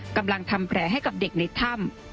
ทำแผลให้กับเด็กในถ้ำ